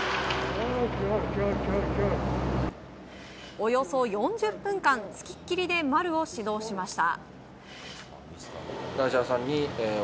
およそ４０分間つきっきりで丸を指導しました。